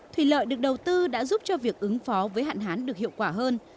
thủy lợi được đầu tư đã giúp cho việc ứng phó với hạn hán được hiệu quả hơn